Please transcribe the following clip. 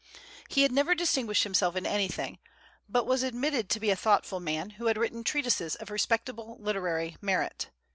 He had never distinguished himself in anything; but was admitted to be a thoughtful man, who had written treatises of respectable literary merit.